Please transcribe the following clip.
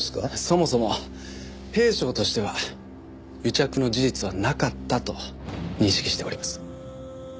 そもそも弊省としては癒着の事実はなかったと認識しております。